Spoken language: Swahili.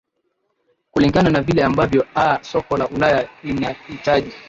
kulingana na vile ambavyo aa soko la ulaya linaitaji